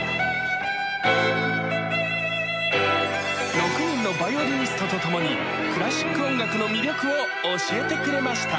６人のバイオリニストと共にクラシック音楽の魅力を教えてくれました